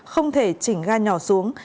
không thể chỉnh ga nhỏ xuống